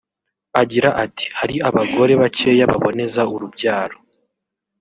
Agira ati “Hari abagore bakeya baboneza urubyaro